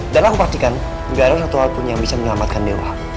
dan aku pastikan gak ada satu hal pun yang bisa menyelamatkan dewa